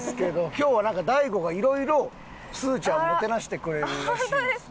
今日はなんか大悟がいろいろすずちゃんをもてなしてくれるらしいです。